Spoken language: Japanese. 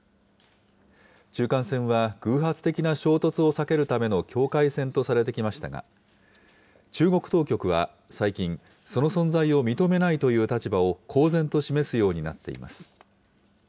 中間線は偶発的な衝突を避けるための境界線とされてきましたが、中国当局は最近、その存在を認めないという立場を公然と示すようになっています。